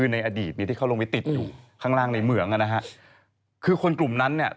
ในอดีตเนี่ยที่เขาลงไปติดอยู่ข้างล่างในเหมืองอะนะฮะ